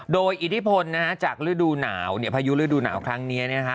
โดยอิทธิพลนะฮะจากภายุฤดูหนาวครั้งนี้เนี่ยนะฮะ